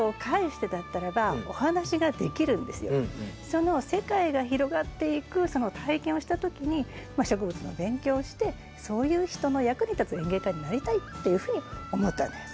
その世界が広がっていく体験をした時に植物の勉強をしてそういう人の役に立つ園芸家になりたいっていうふうに思ったんです。